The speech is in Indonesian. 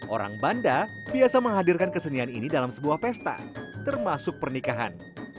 orang banda biasa menghadirkan kesenian ini dalam sebuah pesta termasuk pernikahan